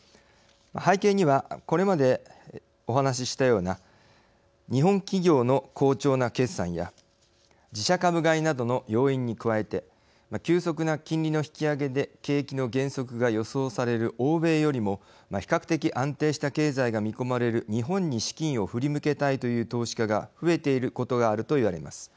背景にはこれまでお話ししたような日本企業の好調な決算や自社株買いなどの要因に加えて急速な金利の引き上げで景気の減速が予想される欧米よりも比較的安定した経済が見込まれる日本に資金を振り向けたいという投資家が増えていることがあるといわれます。